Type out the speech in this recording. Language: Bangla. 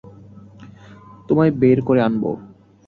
তোমায় বের করে আনব।